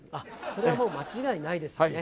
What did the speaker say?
それはもう間違いないですよね。